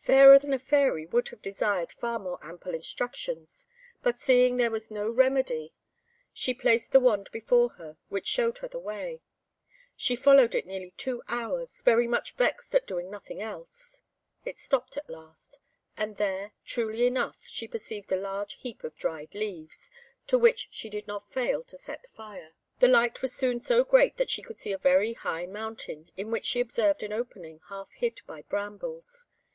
Fairer than a Fairy would have desired far more ample instructions; but seeing there was no remedy, she placed the wand before her, which showed her the way. She followed it nearly two hours, very much vexed at doing nothing else. It stopped at last, and there, truly enough, she perceived a large heap of dried leaves, to which she did not fail to set fire. The light was soon so great that she could see a very high mountain, in which she observed an opening half hid by brambles.